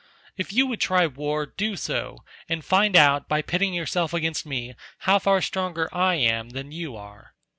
If you would try war, do so, and find out by pitting yourself against me, how far stronger I am than you are."